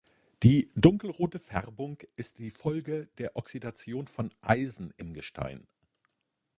Die dunkelrote Färbung ist die Folge der Oxidation von Eisen im Gestein.